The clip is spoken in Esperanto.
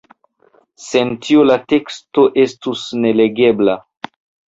Sen tio la teksto estus nelegebla.